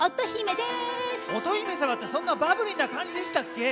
乙姫さまってそんなバブリーなかんじでしたっけ？